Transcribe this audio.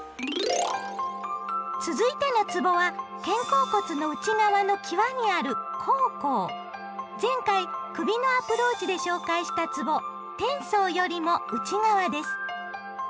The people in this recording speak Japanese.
続いてのつぼは肩甲骨の内側の際にある前回首のアプローチで紹介したつぼ「天宗」よりも内側です。